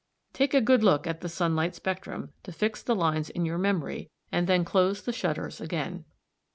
Take a good look at the sunlight spectrum, to fix the lines in your memory, and then close the shutters again.